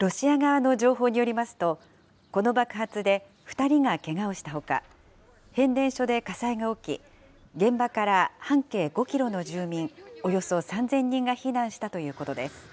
ロシア側の情報によりますと、この爆発で２人がけがをしたほか、変電所で火災が起き、現場から半径５キロの住民およそ３０００人が避難したということです。